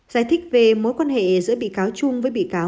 giải thích về mối quan hệ giữa bị cáo chung với bị cáo